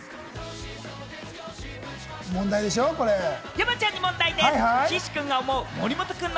山ちゃんに問題でぃす！